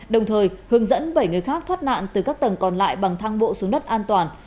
đồng thời hướng dẫn bảy người khác thoát nạn từ các tầng còn lại bằng thang bộ xuống đất an toàn